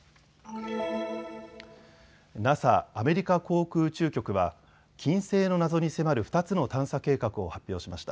ＮＡＳＡ・アメリカ航空宇宙局は金星の謎に迫る２つの探査計画を発表しました。